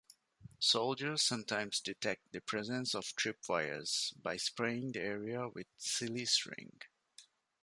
Soldiers sometimes detect the presence of tripwires by spraying the area with Silly String.